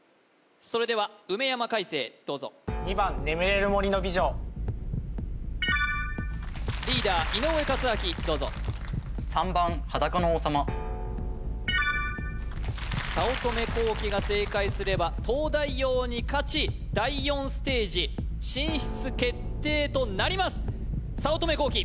それでは梅山開世どうぞ２番眠れる森の美女リーダー・井上健彰どうぞ３番裸の王様早乙女幸輝が正解すれば東大王に勝ち第４ステージ進出決定となります早乙女幸輝